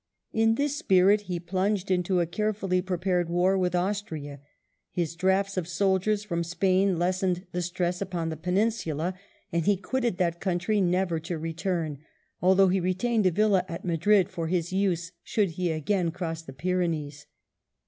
In this spirit he plunged into a care fully prepared war with Austria ; his draughts of soldiers from Spain lessened the stress upon the Peninsula ; and he quitted that country, never to return, although he retained a villa at Madrid for his use should he again cross the Pyrenees.